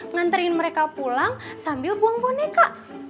nganterin mereka pulang sambil buang boneka